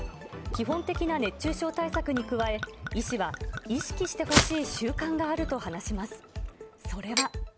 基本的な熱中症対策に加え、医師は意識してほしい習慣があると話します。